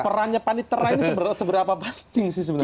perannya panitera ini seberapa penting sih sebenarnya